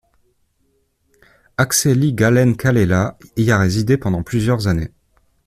Akseli Gallen-Kallela y a résidé pendant plusieurs années.